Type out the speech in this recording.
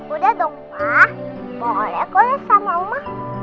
udah dong pak boleh boleh sama oma